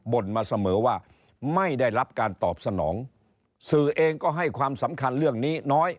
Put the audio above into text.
่นมาเสมอว่าไม่ได้รับการตอบสนองสื่อเองก็ให้ความสำคัญเรื่องนี้น้อย